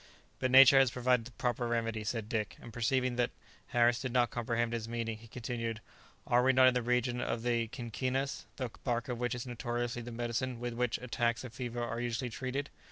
"But nature has provided the proper remedy," said Dick; and perceiving that Harris did not comprehend his meaning, he continued, "Are we not in the region of the quinquinas, the bark of which is notoriously the medicine with which attacks of fever are usually treated?